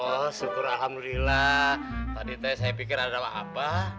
oh syukur alhamdulillah tadi saya pikir ada apa apa